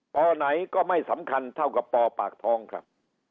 ไหนก็ไม่สำคัญเท่ากับปปากท้องครับ